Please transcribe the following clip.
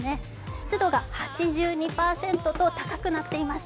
湿度が８２％と高くなっています。